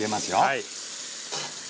はい。